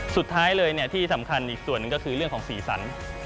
สุดท้ายเลยที่สำคัญอีกส่วนหนึ่งก็คือเรื่องของสีสัน